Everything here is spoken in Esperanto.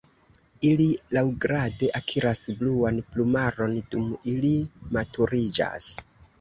Ili laŭgrade akiras bluan plumaron dum ili maturiĝas.